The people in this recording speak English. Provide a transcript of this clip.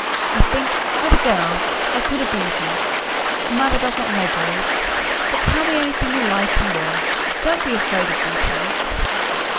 I think with a girl I could have been of use a mother does not know boys. But tell me anything you like and will; don't be afraid of details."